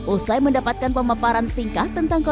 ini adalah bagian yang sangat penting